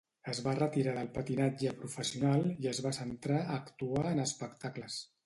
Es va retirar del patinatge professional i es va centrar a actuar en espectacles.